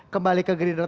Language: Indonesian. kembali ke gerindra